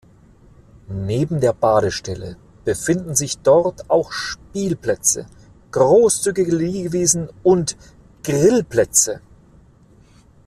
Neben der Badestelle befinden sich dort auch Spielplätze, großzügige Liegewiesen und Grillplätze.